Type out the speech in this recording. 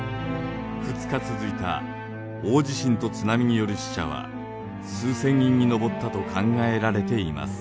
２日続いた大地震と津波による死者は数千人に上ったと考えられています。